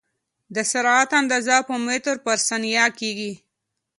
د سرعت اندازه په متر پر ثانیه کېږي.